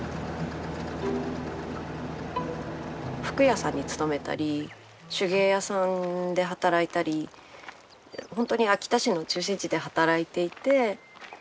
服屋さんに勤めたり手芸屋さんで働いたり本当に秋田市の中心地で働いていて。